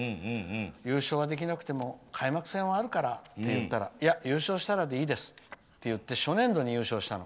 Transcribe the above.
優勝はできなくても開幕戦はあるからと言ったらいや、優勝したらでいいですって言って初年度に優勝したの。